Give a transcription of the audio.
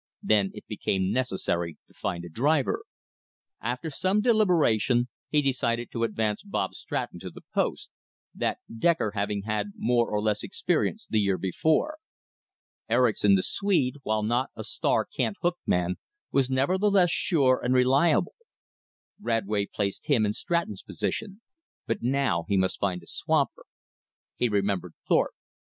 Then it became necessary to find a driver. After some deliberation he decided to advance Bob Stratton to the post, that "decker" having had more or less experience the year before. Erickson, the Swede, while not a star cant hook man, was nevertheless sure and reliable. Radway placed him in Stratton's place. But now he must find a swamper. He remembered Thorpe.